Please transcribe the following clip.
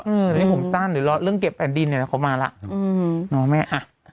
อืมหลายห่วงสั้นหรือเรื่องเก็บแผ่นดินเขามาแล้ว